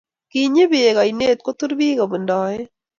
Kinyei beek oinet kutur biik kobundoe